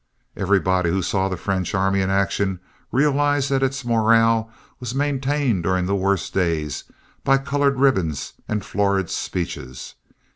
Everybody who saw the French army in action realized that its morale was maintained during the worst days by colored ribbons and florid speeches.